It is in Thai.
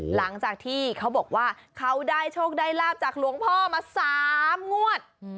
หลังจากที่เขาบอกว่าเขาได้โชคได้ลาบจากหลวงพ่อมา๓งวด